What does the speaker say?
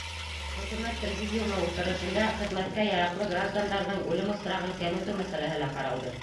Хөкүмәт Президиумы ултырышында хеҙмәткә яраҡлы граждандарҙың үлем осрағын кәметеү мәсьәләһе лә ҡаралды.